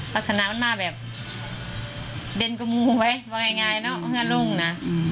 ลักษณะมันมาแบบเดินกระมูลไว้บางอย่างง่ายเนาะมันก็รุ่งนะ